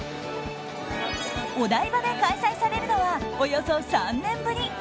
お台場で開催されるのはおよそ３年ぶり。